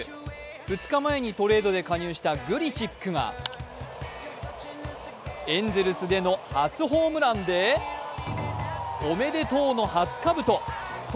２日前にトレードで加入したグリチックがエンゼルスでの初ホームランで、おめでとうの初かぶと。